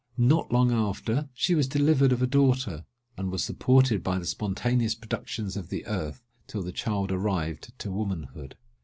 Not long after, she was delivered of a daughter, and was supported by the spontaneous productions of the earth, till the child arrived to womanhood.